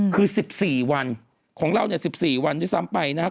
คือ๑๔วันของเราเนี่ย๑๔วันด้วยซ้ำไปนะครับ